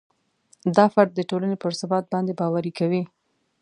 دا فرد د ټولنې پر ثبات باندې باوري کوي.